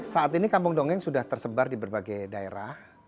saat ini kampung dongeng sudah tersebar di berbagai daerah